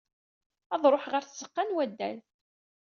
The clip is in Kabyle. Ad ruḥeɣ ɣer tzeqqa n waddal.